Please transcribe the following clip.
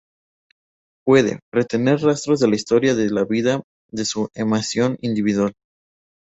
Puede "retener rastros de la historia de vida de su emanación individual".